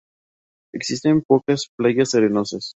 Existen pocas playas arenosas.